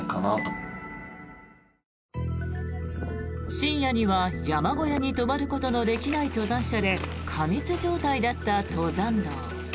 深夜には山小屋に泊まることのできない登山者で過密状態だった登山道。